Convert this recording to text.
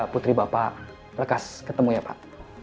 putri bapak rekas ketemu ya pak